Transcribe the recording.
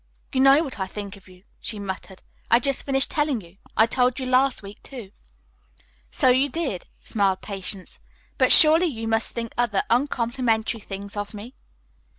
"You know what I think of you," she muttered. "I just finished telling you. I told you last week, too." "So you did," smiled Patience, "but surely you must think other uncomplimentary things of me."